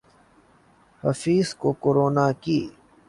حفیظ کو کرونا کی